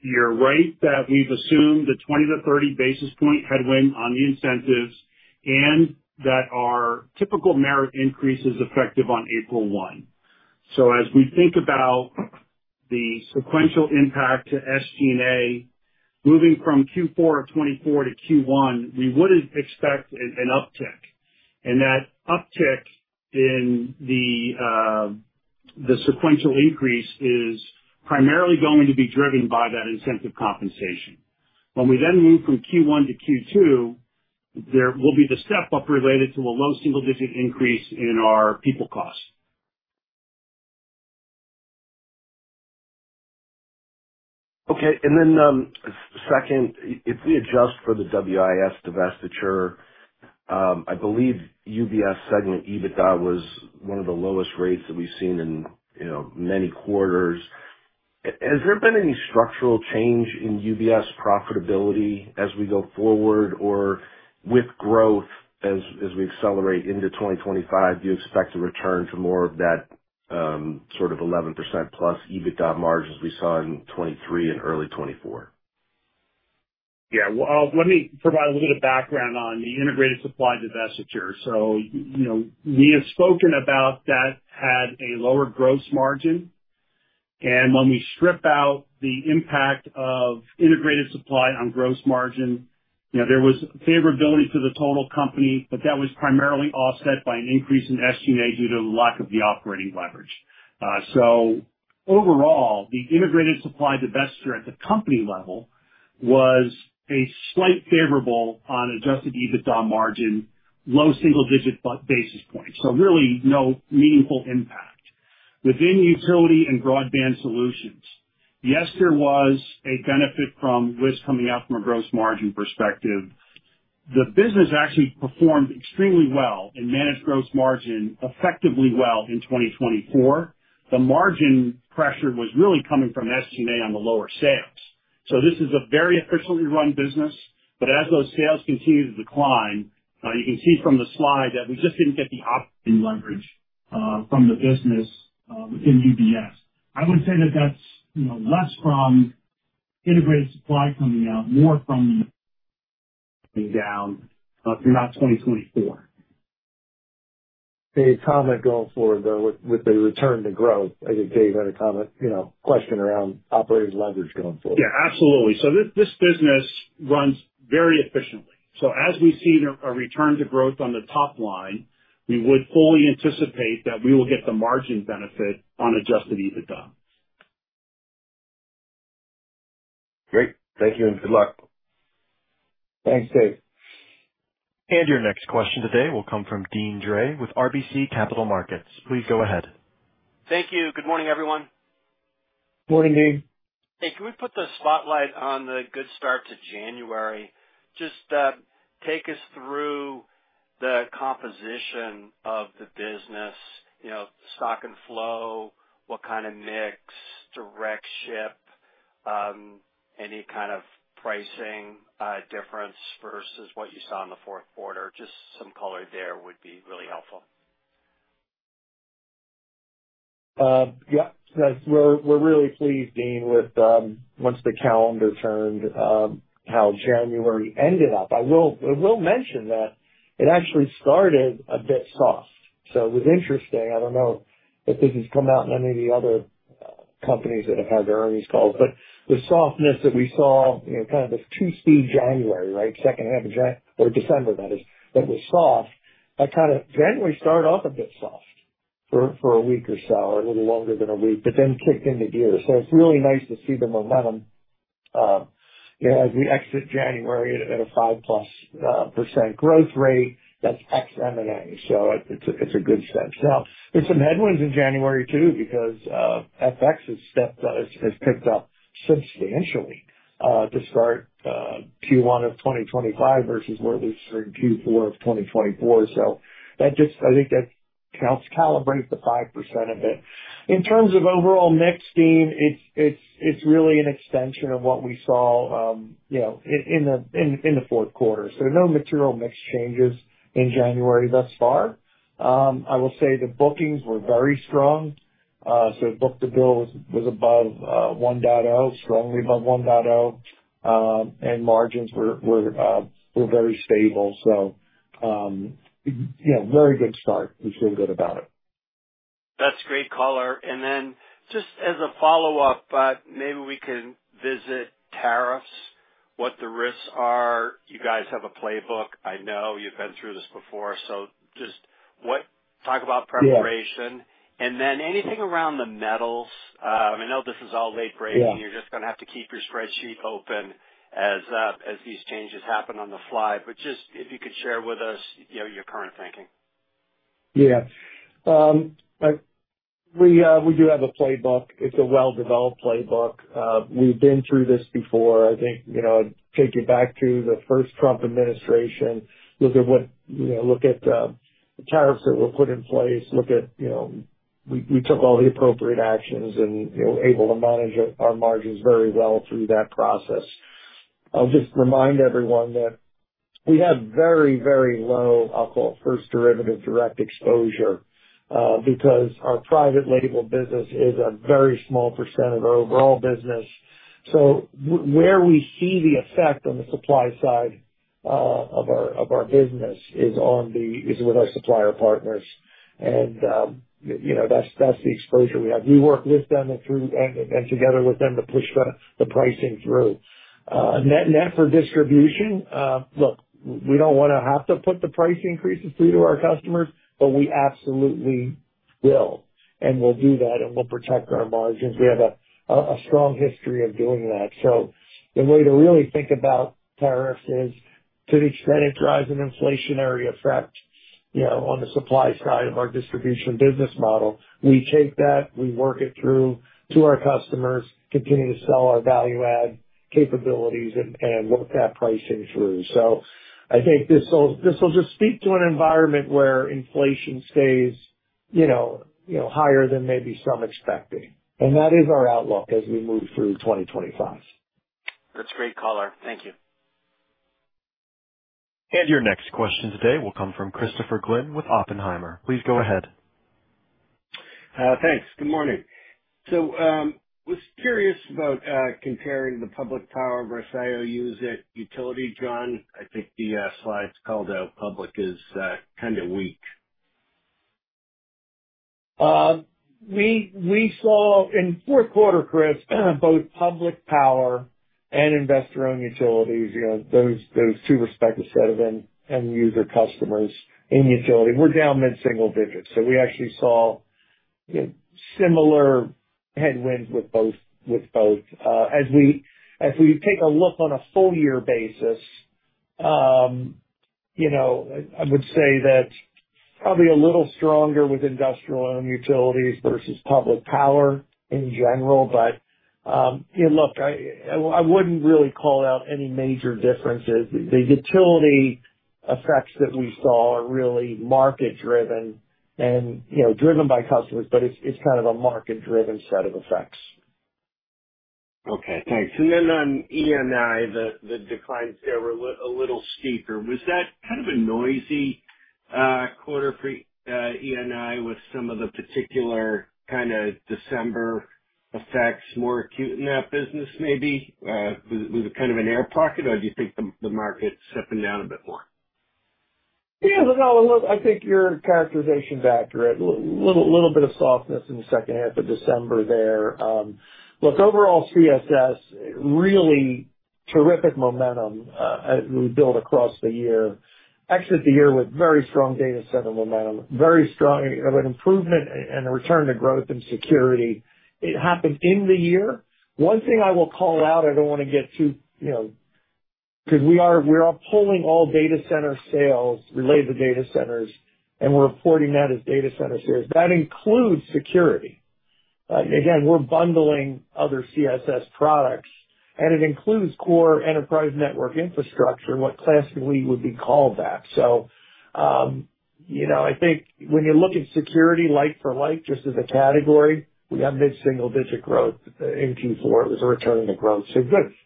You're right that we've assumed the 20 to 30 basis point headwind on the incentives and that our typical merit increase is effective on April 1. So as we think about the sequential impact to SG&A moving from Q4 of 2024 to Q1, we would expect an uptick. And that uptick in the sequential increase is primarily going to be driven by that incentive compensation. When we then move from Q1-Q2, there will be the step-up related to a low single-digit increase in our people cost. Okay, and then second, if we adjust for the WIS divestiture, I believe UBS segment EBITDA was one of the lowest rates that we've seen in many quarters. Has there been any structural change in UBS profitability as we go forward, or with growth as we accelerate into 2025, do you expect to return to more of that sort of 11% plus EBITDA margins we saw in 2023 and early 2024? Yeah. Well, let me provide a little bit of background on the integrated supply divestiture. So we have spoken about that had a lower gross margin. And when we strip out the impact of integrated supply on gross margin, there was favorability to the total company, but that was primarily offset by an increase in SG&A due to the lack of the operating leverage. So overall, the integrated supply divestiture at the company level was a slight favorable on adjusted EBITDA margin, low single-digit basis point. So really no meaningful impact. Within utility and broadband solutions, yes, there was a benefit from what's coming out from a gross margin perspective. The business actually performed extremely well and managed gross margin effectively well in 2024. The margin pressure was really coming from SG&A on the lower sales. So this is a very efficiently run business, but as those sales continue to decline, you can see from the slide that we just didn't get the operating leverage from the business within UBS. I would say that that's less from integrated supply coming out, more from down throughout 2024. Any comment going forward, though, with the return to growth? I think Dave had a comment, question around operating leverage going forward. Yeah, absolutely. So this business runs very efficiently. So as we see a return to growth on the top line, we would fully anticipate that we will get the margin benefit on Adjusted EBITDA. Great. Thank you and good luck. Thanks, Dave. And your next question today will come from Deane Dray with RBC Capital Markets. Please go ahead. Thank you. Good morning, everyone. Morning, Deane. Hey, can we put the spotlight on the good start to January? Just take us through the composition of the business, stock and flow, what kind of mix, direct ship, any kind of pricing difference versus what you saw in the fourth quarter. Just some color there would be really helpful. Yep. We're really pleased, Deane, once the calendar turned, how January ended up. I will mention that it actually started a bit soft. So it was interesting. I don't know if this has come out in any of the other companies that have had their earnings calls, but the softness that we saw, kind of the two-speed January, right, second half of December, that is, that was soft. That kind of January started off a bit soft for a week or so, or a little longer than a week, but then kicked into gear. So it's really nice to see the momentum as we exit January at a 5-plus% growth rate. That's ex-M&A, so it's a good step. Now, there's some headwinds in January too because FX has picked up substantially to start Q1 of 2025 versus where we've been Q4 of 2024. So I think that helps calibrate the 5% a bit. In terms of overall mix, Deane, it's really an extension of what we saw in the fourth quarter. So, no material mix changes in January thus far. I will say the bookings were very strong. So, book-to-bill was above 1.0, strongly above 1.0, and margins were very stable. So, very good start. We feel good about it. That's great color. And then, just as a follow-up, maybe we can visit tariffs, what the risks are. You guys have a playbook. I know you've been through this before. So, just talk about preparation. And then anything around the metals? I know this is all late-breaking. You're just going to have to keep your spreadsheet open as these changes happen on the fly. But just if you could share with us your current thinking. Yeah. We do have a playbook. It's a well-developed playbook. We've been through this before. I think take you back to the first Trump administration. Look at the tariffs that were put in place. Look, we took all the appropriate actions and were able to manage our margins very well through that process. I'll just remind everyone that we have very, very low, I'll call it first derivative direct exposure because our private label business is a very small % of our overall business. So where we see the effect on the supply side of our business is with our supplier partners. And that's the exposure we have. We work with them and together with them to push the pricing through. Net for distribution, look, we don't want to have to put the price increases through to our customers, but we absolutely will. And we'll do that, and we'll protect our margins. We have a strong history of doing that. So the way to really think about tariffs is to the extent it drives an inflationary effect on the supply side of our distribution business model. We take that, we work it through to our customers, continue to sell our value-add capabilities, and work that pricing through. So I think this will just speak to an environment where inflation stays higher than maybe some expected. And that is our outlook as we move through 2025. That's great color. Thank you. And your next question today will come from Christopher Glynn with Oppenheimer. Please go ahead. Thanks. Good morning. So I was curious about comparing the public power versus IOUs at utility. John, I think the slides called out public is kind of weak. We saw in fourth quarter, Chris, both public power and investor-owned utilities, those two respective set of end-user customers in utility, were down mid-single digits. So we actually saw similar headwinds with both. As we take a look on a full-year basis, I would say that probably a little stronger with investor-owned utilities versus public power in general. But look, I wouldn't really call out any major differences. The utility effects that we saw are really market-driven and driven by customers, but it's kind of a market-driven set of effects. Okay. Thanks. And then on E&I, the declines there were a little steeper. Was that kind of a noisy quarter for E&I with some of the particular kind of December effects more acute in that business maybe? Was it kind of an air pocket, or do you think the market's stepping down a bit more? Yeah. Look, I think your characterization's accurate. A little bit of softness in the second half of December there. Look, overall CSS, really terrific momentum as we build across the year. Exit the year with very strong data center momentum, very strong improvement and return to growth and security. It happened in the year. One thing I will call out, I don't want to get too because we are pulling all data center sales, related to data centers, and we're reporting that as data center sales. That includes security. Again, we're bundling other CSS products, and it includes core enterprise network infrastructure, what classically would be called that. So I think when you look at security like for like, just as a category, we have mid-single digit growth in Q4. It was a return to growth. So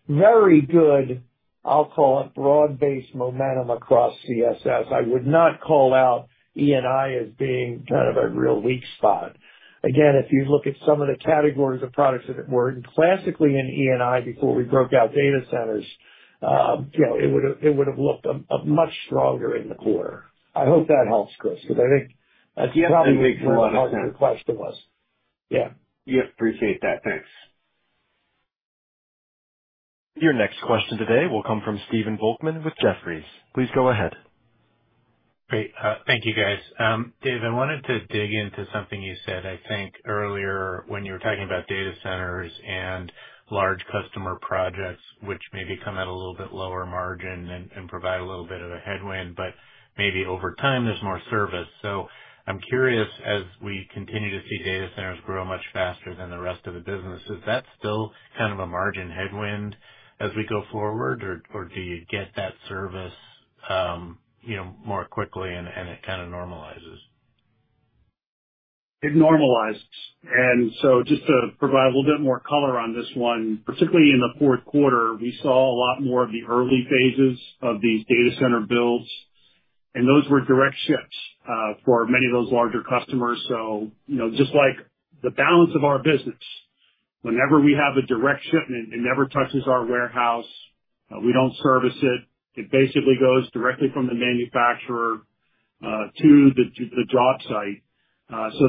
very good, I'll call it, broad-based momentum across CSS. I would not call out E&I as being kind of a real weak spot. Again, if you look at some of the categories of products that were classically in E&I before we broke out data centers, it would have looked much stronger in the quarter. I hope that helps, Chris, because I think that's probably a big part of your question was. Yeah. Yep. Appreciate that. Thanks. Your next question today will come from Stephen Volkmann with Jefferies. Please go ahead. Great. Thank you, guys. Dave, I wanted to dig into something you said, I think, earlier when you were talking about data centers and large customer projects, which maybe come at a little bit lower margin and provide a little bit of a headwind, but maybe over time there's more service. So I'm curious, as we continue to see data centers grow much faster than the rest of the business, is that still kind of a margin headwind as we go forward, or do you get that service more quickly and it kind of normalizes? It normalizes. And so just to provide a little bit more color on this one, particularly in the fourth quarter, we saw a lot more of the early phases of these data center builds. And those were direct ships for many of those larger customers. So just like the balance of our business, whenever we have a direct shipment, it never touches our warehouse. We don't service it. It basically goes directly from the manufacturer to the job site. So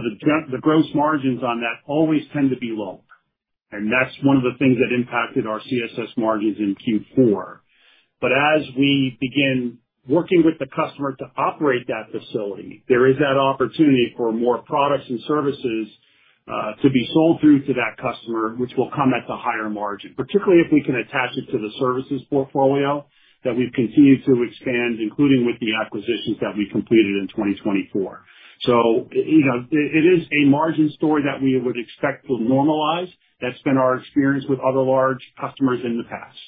the gross margins on that always tend to be lower. And that's one of the things that impacted our CSS margins in Q4. But as we begin working with the customer to operate that facility, there is that opportunity for more products and services to be sold through to that customer, which will come at the higher margin, particularly if we can attach it to the services portfolio that we've continued to expand, including with the acquisitions that we completed in 2024. So it is a margin story that we would expect to normalize. That's been our experience with other large customers in the past.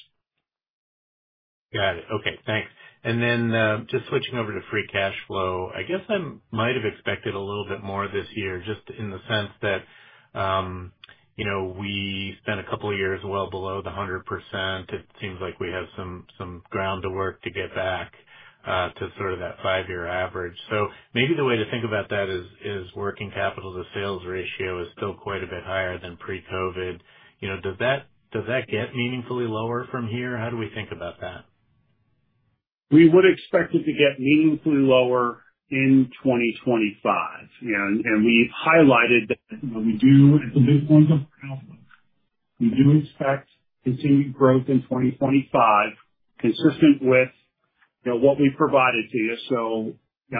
Got it. Okay. Thanks. And then just switching over to free cash flow, I guess I might have expected a little bit more this year just in the sense that we spent a couple of years well below the 100%. It seems like we have some ground to work to get back to sort of that five-year average. So maybe the way to think about that is working capital to sales ratio is still quite a bit higher than pre-COVID. Does that get meaningfully lower from here? How do we think about that? We would expect it to get meaningfully lower in 2025. And we've highlighted that we do at the midpoint of growth. We do expect continued growth in 2025, consistent with what we've provided to you. So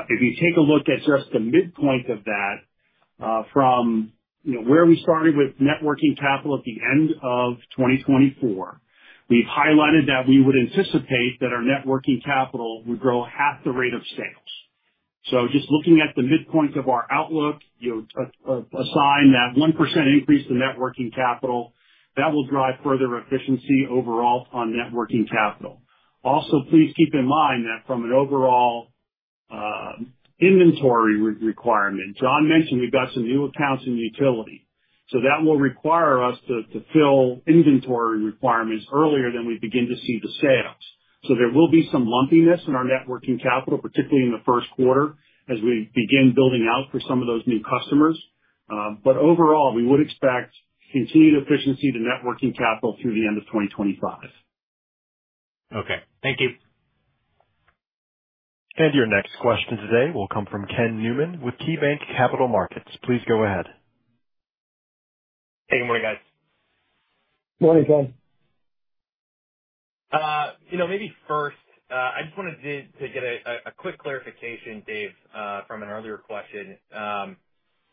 if you take a look at just the midpoint of that from where we started with net working capital at the end of 2024, we've highlighted that we would anticipate that our net working capital would grow half the rate of sales. So just looking at the midpoint of our outlook, assign that 1% increase to net working capital, that will drive further efficiency overall on net working capital. Also, please keep in mind that from an overall inventory requirement, John mentioned we've got some new accounts in utility. So that will require us to fill inventory requirements earlier than we begin to see the sales. So there will be some lumpiness in our net working capital, particularly in the first quarter as we begin building out for some of those new customers. But overall, we would expect continued efficiency to net working capital through the end of 2025. Okay. Thank you. And your next question today will come from Ken Newman with KeyBanc Capital Markets. Please go ahead. Hey, good morning, guys. Morning, John. Maybe first, I just wanted to get a quick clarification, Dave, from an earlier question.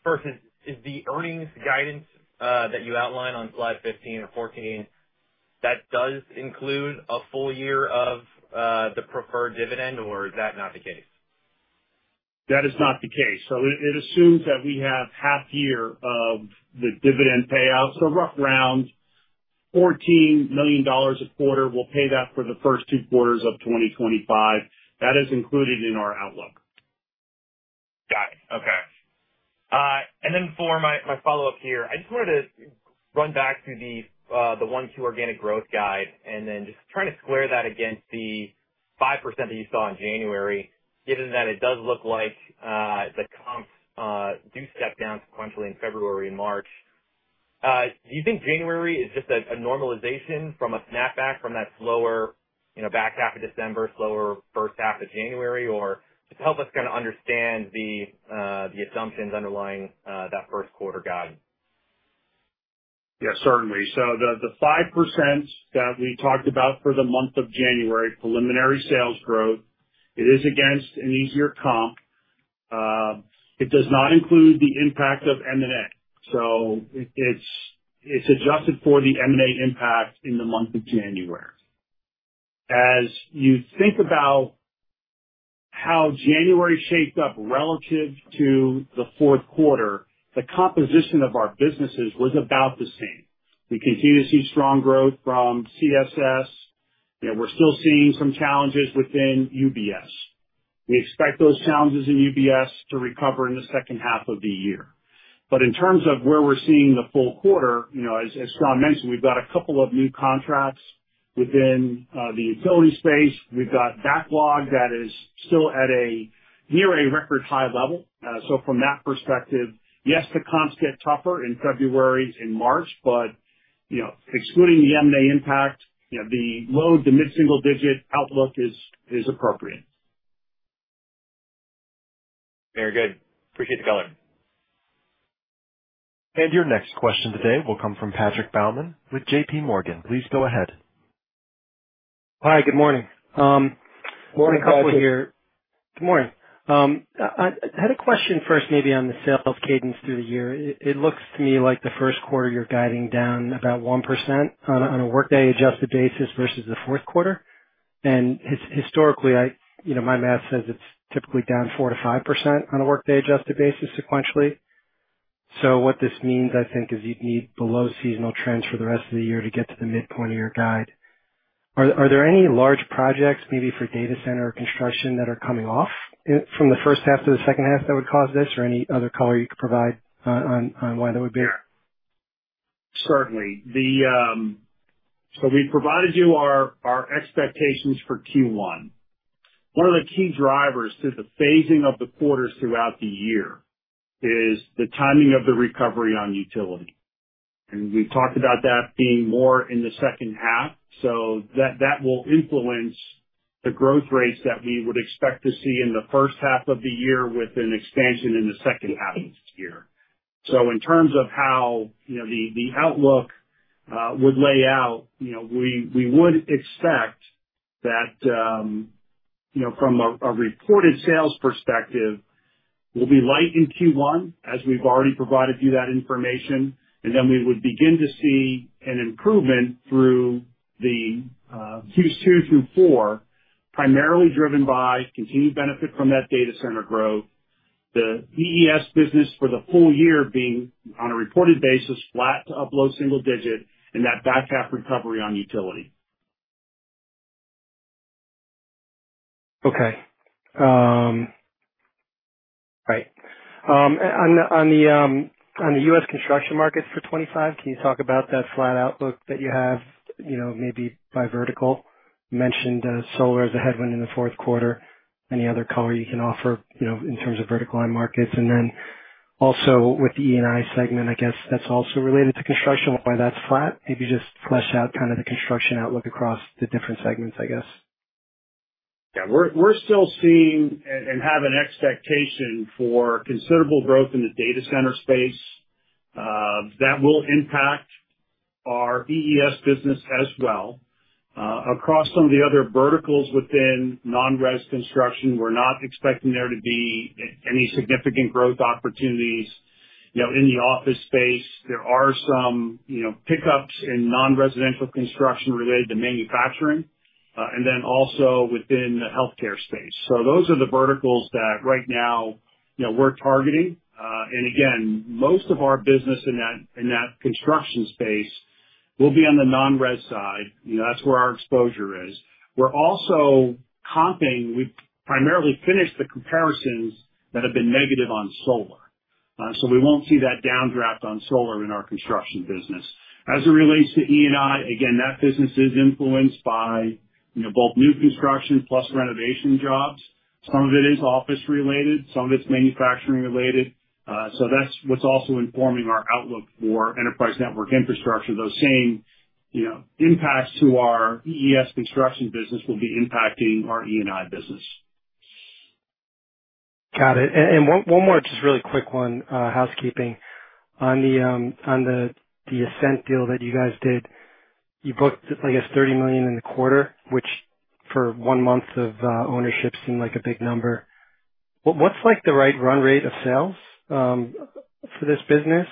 First, is the earnings guidance that you outline on slide 15 or 14, that does include a full year of the preferred dividend, or is that not the case? That is not the case. So it assumes that we have half year of the dividend payout. So rough around $14 million a quarter. We'll pay that for the first two quarters of 2025. That is included in our outlook. Got it. Okay. And then for my follow-up here, I just wanted to run back to the 1Q organic growth guide and then just trying to square that against the 5% that you saw in January, given that it does look like the comps do step down sequentially in February and March. Do you think January is just a normalization from a snapback from that slower back half of December, slower first half of January, or just help us kind of understand the assumptions underlying that first quarter guide? Yeah, certainly. So the 5% that we talked about for the month of January, preliminary sales growth, it is against an easier comp. It does not include the impact of M&A. So it's adjusted for the M&A impact in the month of January. As you think about how January shaped up relative to the fourth quarter, the composition of our businesses was about the same. We continue to see strong growth from CSS. We're still seeing some challenges within UBS. We expect those challenges in UBS to recover in the second half of the year. But in terms of where we're seeing the full quarter, as John mentioned, we've got a couple of new contracts within the utility space. We've got backlog that is still near a record high level. So from that perspective, yes, the comps get tougher in February and March, but excluding the M&A impact, the low, the mid-single digit outlook is appropriate. Very good. Appreciate the color. And your next question today will come from Patrick Baumann with J.P. Morgan. Please go ahead. Hi. Good morning. Good morning, Baumann here. Good morning. I had a question first, maybe on the sales cadence through the year. It looks to me like the first quarter you're guiding down about 1% on a workday-adjusted basis versus the fourth quarter. And historically, my math says it's typically down 4%-5% on a workday-adjusted basis sequentially. So what this means, I think, is you'd need below seasonal trends for the rest of the year to get to the midpoint of your guide. Are there any large projects, maybe for data center or construction, that are coming off from the first half to the second half that would cause this, or any other color you could provide on why that would be? Certainly. So we've provided you our expectations for Q1. One of the key drivers to the phasing of the quarters throughout the year is the timing of the recovery on utility. And we've talked about that being more in the second half. So that will influence the growth rates that we would expect to see in the first half of the year with an expansion in the second half of the year. So in terms of how the outlook would lay out, we would expect that from a reported sales perspective, we'll be light in Q1, as we've already provided you that information. And then we would begin to see an improvement through Q2 through Q4, primarily driven by continued benefit from that data center growth, the EES business for the full year being on a reported basis, flat to up low single digit, and that back half recovery on utility. Okay. All right. On the U.S. construction markets for 2025, can you talk about that flat outlook that you have, maybe by vertical? You mentioned solar as a headwind in the fourth quarter. Any other color you can offer in terms of vertical line markets? And then also with the E&I segment, I guess that's also related to construction, why that's flat? Maybe just flesh out kind of the construction outlook across the different segments, I guess. Yeah. We're still seeing and have an expectation for considerable growth in the data center space. That will impact our EES business as well. Across some of the other verticals within non-res construction, we're not expecting there to be any significant growth opportunities in the office space. There are some pickups in non-residential construction related to manufacturing, and then also within the healthcare space, so those are the verticals that right now we're targeting, and again, most of our business in that construction space will be on the non-res side. That's where our exposure is. We're also comping. We've primarily finished the comparisons that have been negative on solar, so we won't see that downdraft on solar in our construction business. As it relates to E&I, again, that business is influenced by both new construction plus renovation jobs. Some of it is office-related. Some of it's manufacturing-related. So that's what's also informing our outlook for enterprise network infrastructure. Those same impacts to our EES construction business will be impacting our E&I business. Got it. And one more, just really quick one, housekeeping. On the Ascent deal that you guys did, you booked, I guess, $30 million in the quarter, which for one month of ownership seemed like a big number. What's the right run rate of sales for this business?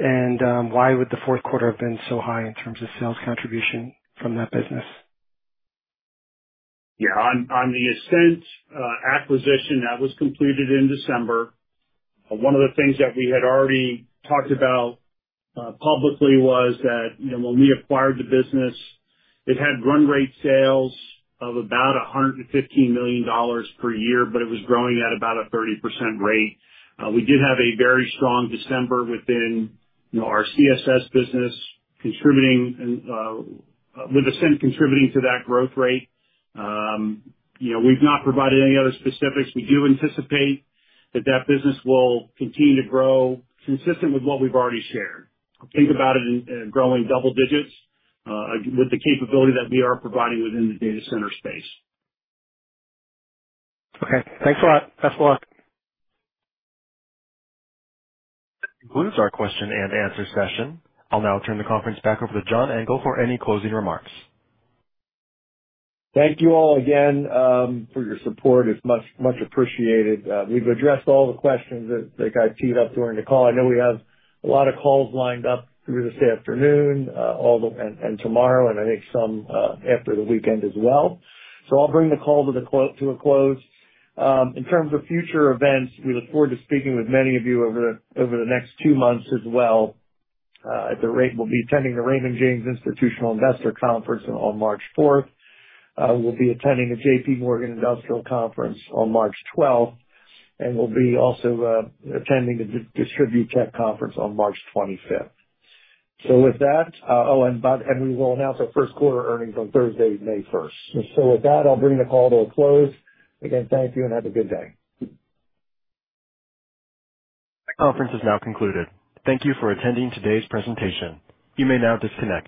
And why would the fourth quarter have been so high in terms of sales contribution from that business? Yeah. On the Ascent acquisition that was completed in December, one of the things that we had already talked about publicly was that when we acquired the business, it had run rate sales of about $115 million per year, but it was growing at about a 30% rate. We did have a very strong December within our CSS business, with Ascent contributing to that growth rate. We've not provided any other specifics. We do anticipate that that business will continue to grow consistent with what we've already shared. Think about it in growing double digits with the capability that we are providing within the data center space. Okay. Thanks a lot. Best of luck. That concludes our question and answer session. I'll now turn the conference back over to John Engel for any closing remarks. Thank you all again for your support. It's much appreciated. We've addressed all the questions that I teed up during the call. I know we have a lot of calls lined up through this afternoon and tomorrow, and I think some after the weekend as well. So I'll bring the call to a close. In terms of future events, we look forward to speaking with many of you over the next two months as well. At any rate, we'll be attending the Raymond James Institutional Investor Conference on March 4th. We'll be attending the J.P. Morgan Industrial Conference on March 12th, and we'll be also attending the DistribuTech Conference on March 25th. So with that, oh, and we will announce our first quarter earnings on Thursday, May 1st. So with that, I'll bring the call to a close. Again, thank you and have a good day. The conference is now concluded. Thank you for attending today's presentation. You may now disconnect.